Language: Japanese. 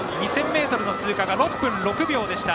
２０００ｍの通過が６分６秒。